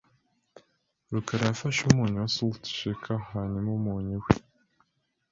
rukara yafashe umunyu wa saltshaker hanyuma umunyu we .